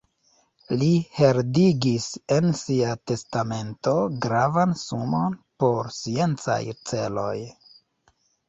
Li heredigis en sia testamento gravan sumon por sciencaj celoj.